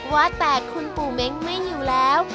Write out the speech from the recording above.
ว่าแต่คุณปู่เม้งไม่อยู่แล้ว